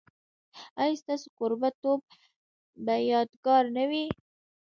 ایا ستاسو کوربه توب به یادګار نه وي؟